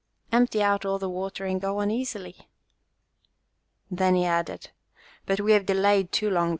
Empty out all that water and go on easily." Then he added, "But we have delayed too long.